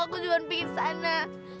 aku cuma pengen ke sana